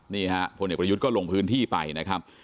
นี่ฮะพลเอกประยุทธ์ก็ลงพื้นที่ไปนะครับ